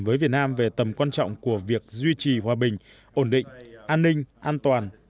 với việt nam về tầm quan trọng của việc duy trì hòa bình ổn định an ninh an toàn